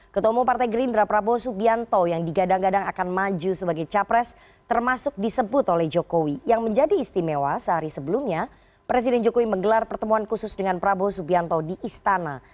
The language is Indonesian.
ketemu partai gerindra prabowo subianto yang digadang gadang akan maju sebagai capres termasuk disebut oleh jokowi yang menjadi istimewa sehari sebelumnya presiden jokowi menggelar pertemuan khusus dengan prabowo subianto di istana